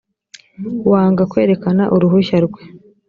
wanga kwerekana uruhushya rwe